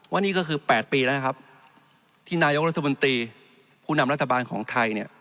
ว่านี่ก็คือ๘ปีแล้วที่นายกราศบนตรีผู้นำรัฐบาลของไทย